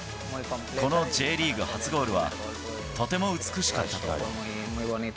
このＪリーグ初ゴールは、とても美しかったと思う。